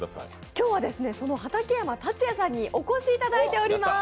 今日はその畠山達也さんにお越しいただいています。